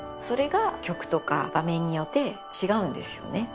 それが曲とか場面によって違うんですよね。